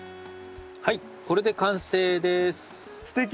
はいこれで完成です。